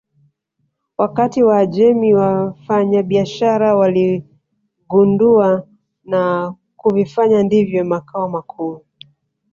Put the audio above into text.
Wakati Waajemi wafanyabiashara walivigundua na kuvifanya ndiyo makao makuu